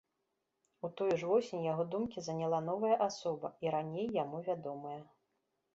У тую ж восень яго думкі заняла новая асоба, і раней яму вядомая.